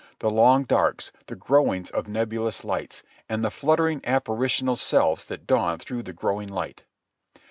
The long darks, the growings of nebulous lights, and the fluttering apparitional selves that dawned through the growing light!